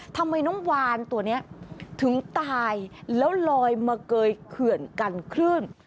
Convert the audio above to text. ทำไมน้องวานตัวนี้ถึงตายแล้วลอยมาเกยเขื่อนกันคลื่น